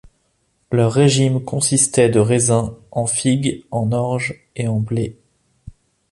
Leur régime consistait de raisins, en figues, en orge et en blé.